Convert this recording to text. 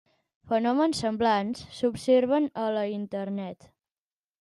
Fenòmens semblants s'observen a la internet.